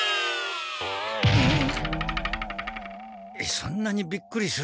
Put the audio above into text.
そんなにびっくりすることか？